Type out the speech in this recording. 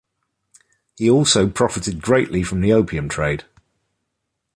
He also profited greatly from the opium trade.